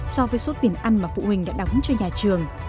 so với số tiền ăn mà phụ huynh đã đóng cho nhà trường